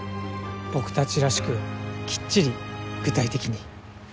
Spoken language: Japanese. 僕たちらしくきっちり具体的に。